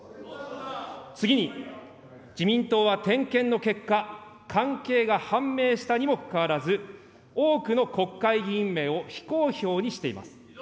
次に、自民党は点検の結果、関係が判明したにもかかわらず、多くの国会議員名を非公表にしています。